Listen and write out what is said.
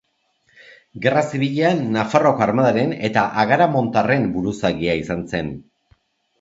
Gerra Zibilean Nafarroako armadaren eta agaramontarren buruzagia izan zen.